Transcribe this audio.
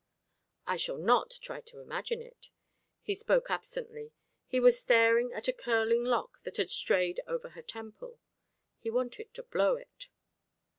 "I shall not try to imagine it." He spoke absently. He was staring at a curling lock that had strayed over her temple. He wanted to blow it.